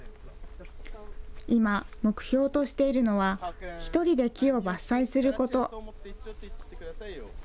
今、目標としているのは、１人で木を伐採すること。